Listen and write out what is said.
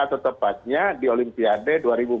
atau tepatnya di olimpiade dua ribu empat puluh empat